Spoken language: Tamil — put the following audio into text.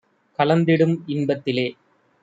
கலந்திடும் இன்பத் திலே.